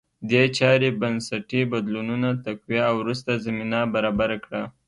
دې چارې بنسټي بدلونونه تقویه او وروسته زمینه برابره کړه